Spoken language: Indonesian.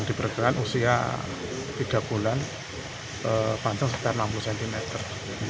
diperkirakan usia tiga bulan panjang sekitar enam puluh cm